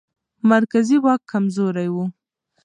مرکزي واک کمزوری و.